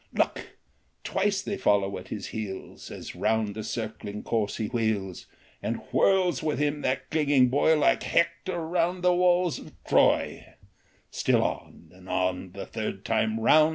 Look ! twice they follow at his heels, As round the circling course he wheels, And whirls with him that clinging boy Like Hector round the walls of Troy ; Still on, and on, the third time round